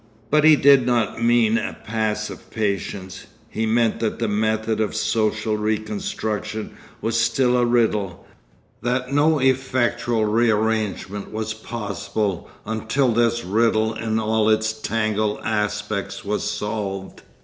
But he did not mean a passive patience. He meant that the method of social reconstruction was still a riddle, that no effectual rearrangement was possible until this riddle in all its tangled aspects was solved.